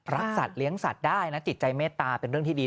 สัตว์เลี้ยงสัตว์ได้นะจิตใจเมตตาเป็นเรื่องที่ดี